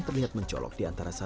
tahlilan itu biasa